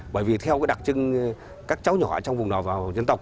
bởi vì theo đặc trưng các cháu nhỏ ở trong vùng nòi và nhân tộc